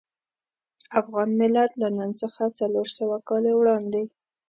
افغان ملت له نن څخه څلور سوه کاله وړاندې.